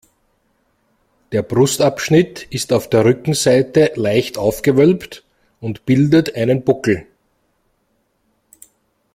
Der Brustabschnitt ist auf der Rückenseite leicht aufgewölbt und bildet einen Buckel.